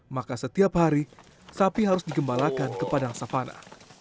maka setiap hari sapi harus digembalakan ke padang savana